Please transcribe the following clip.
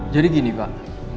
jadi gini pak